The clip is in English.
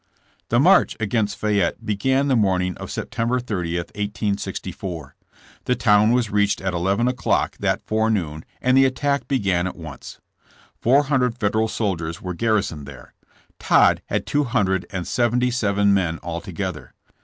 '* The march against Fayette began the morning of September 30, 1864. The town was reached at eleven o'clock that forenoon and the attack began at once. Four hundred Federal soldiers were garri soned there. Todd had two hundred and seventy seven men altogether.